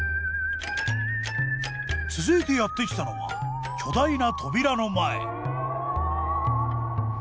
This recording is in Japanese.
続いてやって来たのは巨大な扉の前。